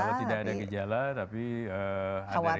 kalau tidak ada gejala tapi ada riwayat kontak